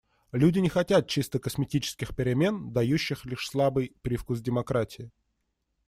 Люди не хотят чисто косметических перемен, дающих лишь слабый привкус демократии.